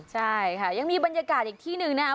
ใช่ค่ะยังมีบรรยากาศอีกที่หนึ่งนะครับ